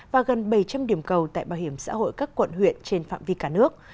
và gần bảy trăm linh điểm cầu tại bảo hiểm xã hội các quận huyện trên phạm vi cả nước